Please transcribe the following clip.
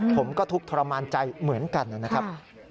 ผมก็ทุกข์ทรมานใจเหมือนกันนะครับ